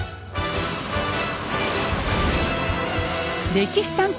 「歴史探偵」。